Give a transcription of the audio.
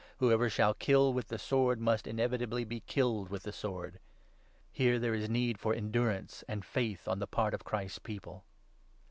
Whoever shall kill with the sword must inevitably be killed with the sword. (Here there is need for endurance and faith on the part of Christ's People.)